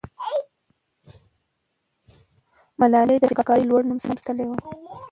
ملالۍ د فداکارۍ لوړ نوم ساتلې وو.